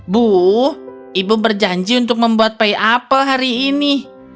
bu ibu berjanji untuk membuat pay apel hari ini